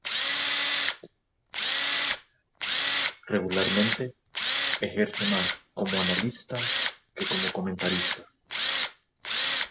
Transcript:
Regularmente ejerce más como analista que como comentarista.